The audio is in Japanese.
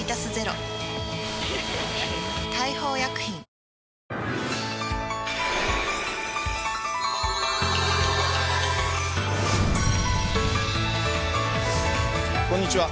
今後、こんにちは。